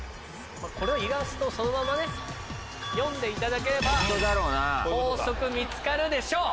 このイラストそのまま読んでいただければ法則見つかるでしょう。